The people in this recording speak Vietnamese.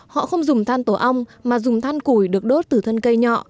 họ không dùng than tổ ong mà dùng than củi được đốt từ thân cây nhọ